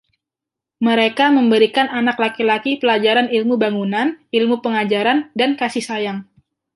Mereka memberikan anak laki-laki pelajaran ilmu bangunan, ilmu pengajaran, dan kasih sayang.